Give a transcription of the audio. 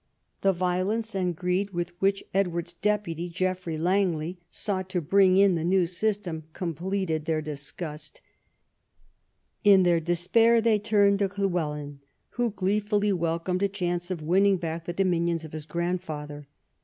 The violence and greed with which Edward's deputy, Geoffrey Langley, sought to bring in the neAv system completed their disgust. In their despair they turned to Lly welyn, who gleefully welcomed a chance of winning back the dominions of his grandfather.